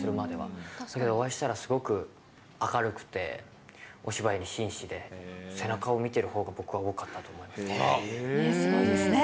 でもお会いしたら、すごく明るくて、お芝居に真摯で、背中を見てるほうが、僕は多かったと思います。